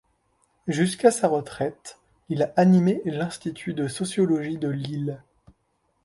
Jusqu’à sa retraite il a animé l’Institut de sociologie de Lille.